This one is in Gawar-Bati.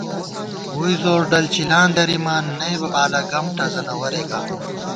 ووئی زور ڈل چِلاں درِامان، نئیبہ بالہ گم ٹزَنہ ورے گا